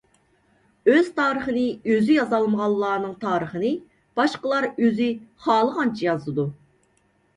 ئۆز تارىخىنى ئۆزى يازالمىغانلارنىڭ تارىخىنى باشقىلار ئۆزى خالىغانچە يازىدۇ.